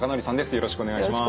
よろしくお願いします。